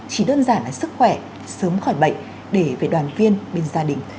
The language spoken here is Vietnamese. chỉ đơn giản là sức khỏe sớm khỏi bệnh để về đoàn viên bên gia đình